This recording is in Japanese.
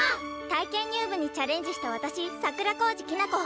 体験入部にチャレンジした私桜小路きな子。